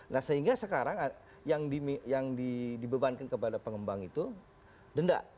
nah sehingga sekarang yang dibebankan kepada pengembang itu denda